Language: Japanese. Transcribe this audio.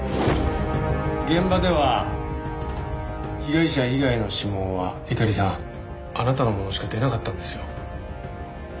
現場では被害者以外の指紋は猪狩さんあなたのものしか出なかったんですよ。